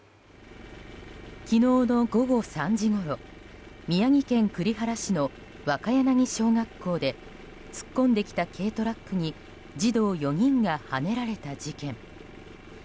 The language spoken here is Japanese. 昨日の午後３時ごろ宮城県栗原市の若柳小学校で突っ込んできた軽トラックに児童４人がはねられた事件。